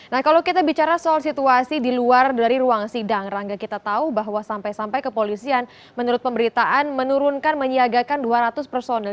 nah kalau kita bicara soal situasi di luar dari ruang sidang rangga kita tahu bahwa sampai sampai kepolisian menurut pemberitaan menurunkan menyiagakan dua ratus personil